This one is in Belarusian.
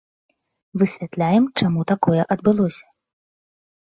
Высвятляем, чаму такое адбылося.